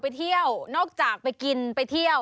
ไปเที่ยวนอกจากไปกินไปเที่ยว